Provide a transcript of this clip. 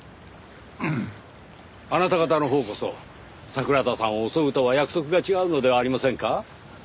あなた方のほうこそ桜田さんを襲うとは約束が違うのではありませんか？